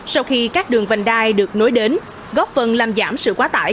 sau khi các đường vành đai được nối đến góp phần làm giảm sự quá tải